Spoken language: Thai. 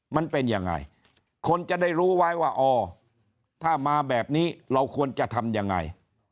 มันเป็นยังไงคนจะได้รู้ไว้ว่าอ๋อถ้ามาแบบนี้เราควรจะทำยังไง